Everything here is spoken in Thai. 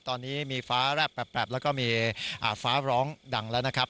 ตอนนี้มีฟ้าแรบแปบแล้วก็มีฟ้าร้องดังแล้วนะครับ